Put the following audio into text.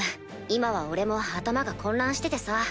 今は俺も頭が混乱しててさ。